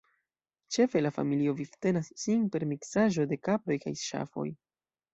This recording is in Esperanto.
Ĉefe la familio vivtenas sin per miksaĵo de kaproj kaj ŝafoj.